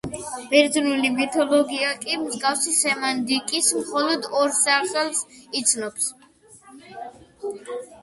ბერძნული მითოლოგია კი მსგავსი სემანტიკის მხოლოდ ორ სახელს იცნობს.